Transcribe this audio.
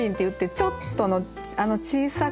「ちょっと」